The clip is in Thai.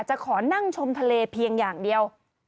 จะขอนั่งชมทะเลเพียงอย่างเดียว